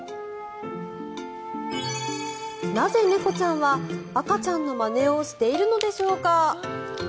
なぜ猫ちゃんは赤ちゃんのまねをしているのでしょうか。